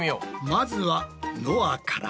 まずはのあから。